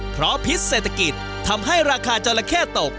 เพราะพิษเศรษฐกิจทำให้ราคาจราเข้ตก